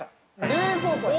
冷蔵庫や！